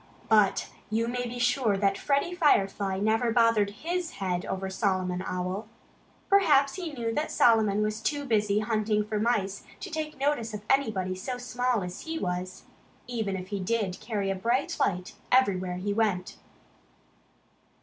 But you may be sure that Freddie Firefly never bothered HIS head over Solomon Owl. Perhaps he knew that Solomon was too busy hunting for mice to take notice of anybody so small as he was, even if he did carry a bright light everywhere he went.